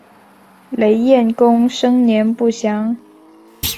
雷彦恭生年不详。